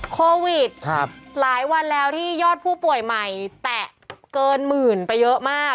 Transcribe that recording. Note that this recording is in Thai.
โควิดหลายวันแล้วที่ยอดผู้ป่วยใหม่แตะเกินหมื่นไปเยอะมาก